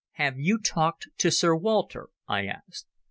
"Have you talked to Sir Walter?" I asked.